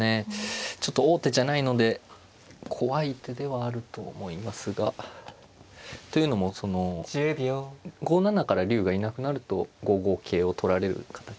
ちょっと王手じゃないので怖い手ではあると思いますが。というのも５七から竜がいなくなると５五桂を取られる形なので。